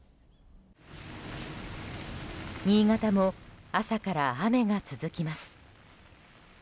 新潟も朝から雨が続きます。